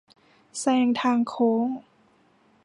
แซงทางโค้ง